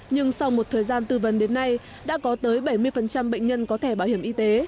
nhưng sau một thời gian tư vấn đến nay đã có tới bảy mươi bệnh nhân có thẻ bảo hiểm y tế